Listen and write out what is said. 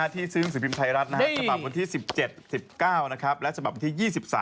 ที่ซื้อหนังสือพิมพ์ไทยรัฐฉบับวันที่๑๗๑๙และฉบับวันที่๒๓